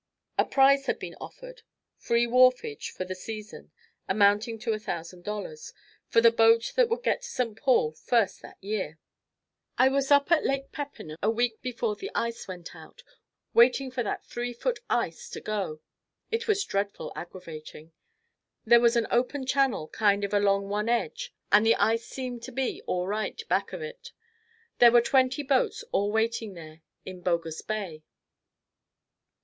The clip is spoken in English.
A prize had been offered, free wharfage for the season, amounting to a thousand dollars, for the boat that would get to St. Paul first that year. I was up at Lake Pepin a week before the ice went out, waiting for that three foot ice to go. It was dreadful aggravating. There was an open channel kind of along one edge and the ice seemed to be all right back of it. There were twenty boats all waiting there in Bogus Bay.